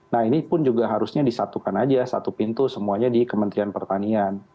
nah ini pun juga harusnya disatukan aja satu pintu semuanya di kementerian pertanian